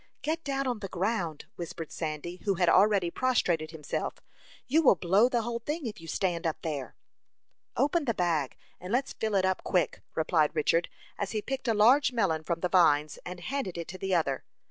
"Get down on the ground!" whispered Sandy, who had already prostrated himself. "You will blow the whole thing if you stand up there." "Open the bag, and let's fill it up quick!" replied Richard, as he picked a large melon from the vines, and handed it to the other.